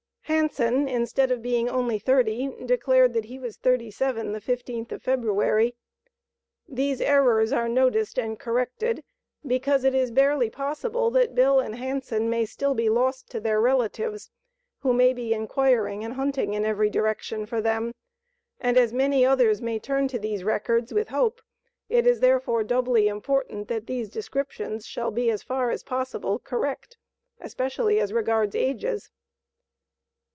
Hanson, instead of being only thirty, declared that he was thirty seven the fifteenth of February. These errors are noticed and corrected because it is barely possible that Bill and Hanson may still be lost to their relatives, who may be inquiring and hunting in every direction for them, and as many others may turn to these records with hope, it is, therefore, doubly important that these descriptions shall be as far as possible, correct, especially as regards ages.